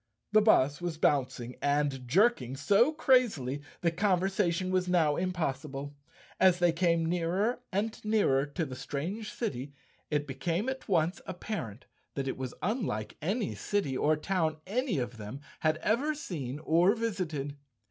The bus was bouncing and jerking so crazily that conversation was now impossible. As they came nearer and nearer to the strange city, it became at once apparent that it was unlike any city or town any of them had ever seen or visited.